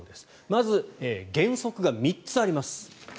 まず、原則が３つあります。